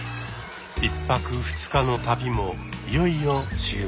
１泊２日の旅もいよいよ終盤。